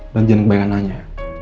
dan jangan kebaikan aja